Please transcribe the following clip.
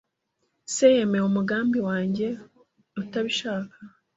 Se yemeye umugambi wanjye utabishaka